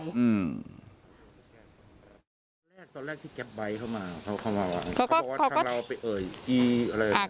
ตอนแรกที่เก็บไบท์เข้ามาเขาบอกว่าทางเราเอ่ย